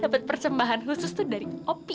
dapat persembahan khusus tuh dari opi